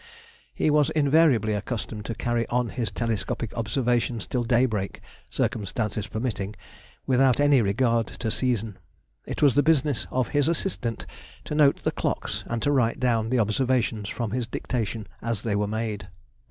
He was invariably accustomed to carry on his telescopic observations till daybreak, circumstances permitting, without any regard to season; it was the business of his assistant to note the clocks and to write down the observations from his dictation as they were made.